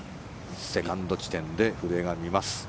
セカンド地点で古江が見ます。